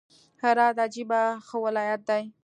هرات عجبه ښه ولايت دئ!